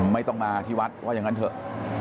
ไม่ต้องมาที่วัดว่าอย่างนั้นเถอะ